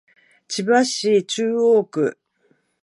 千葉市中央区